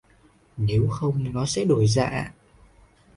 Nếu không nó sẽ đổi dạ